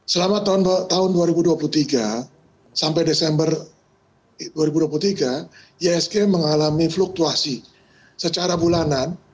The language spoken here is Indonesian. selama tahun dua ribu dua puluh tiga sampai desember dua ribu dua puluh tiga ihsg mengalami fluktuasi secara bulanan